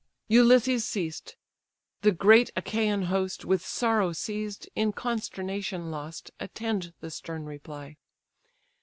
Ulysses ceased: the great Achaian host, With sorrow seized, in consternation lost, Attend the stern reply.